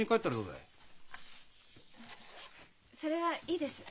あそれはいいです。